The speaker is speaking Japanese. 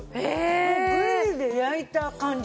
もうグリルで焼いた感じ。